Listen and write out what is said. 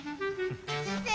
先生！